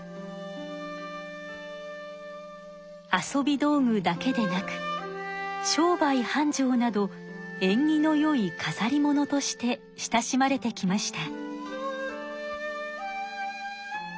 遊び道具だけでなく商売はんじょうなどえんぎのよいかざりものとして親しまれてきました。